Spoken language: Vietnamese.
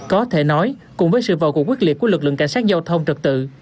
có thể nói cùng với sự vào cuộc quyết liệt của lực lượng cảnh sát giao thông trật tự